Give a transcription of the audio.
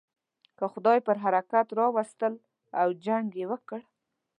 که خدای پر حرکت را وستل او جنګ یې وکړ.